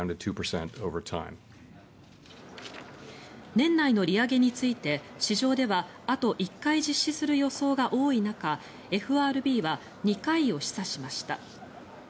年内の利上げについて市場ではあと１回実施する予想が多い中ＦＲＢは２回を示唆しました。